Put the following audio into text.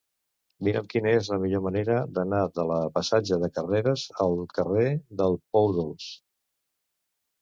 Mira'm quina és la millor manera d'anar de la passatge de Carreras al carrer del Pou Dolç.